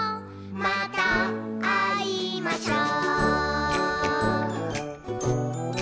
「またあいましょう」